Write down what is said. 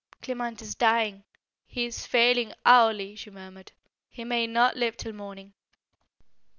"Clement is dying. He is failing hourly," she murmured. "He may not live till morning."